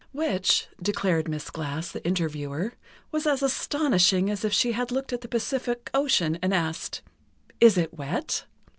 Which, declared Miss Glass, the interviewer, was as astonishing as if she had looked at the Pacific Ocean and asked: "Is it wet?"